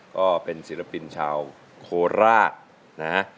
ก็เป็นศิลปินชาวโคลา